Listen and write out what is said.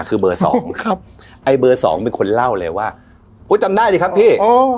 คือเบอร์สองครับไอ้เบอร์สองเป็นคนเล่าเลยว่าโอ้ยจำได้ดิครับพี่โอ้